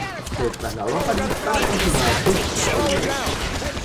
Se trasladó a París para continuar sus estudios.